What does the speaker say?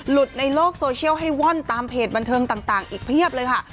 ในโลกโซเชียลให้ว่อนตามเพจบันเทิงต่างอีกเพียบเลยค่ะ